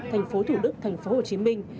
thành phố thủ đức thành phố hồ chí minh